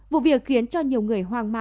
vụ việc khiến cho nhiều người không biết